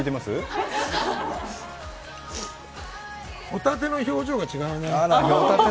ホタテの表情が違うね。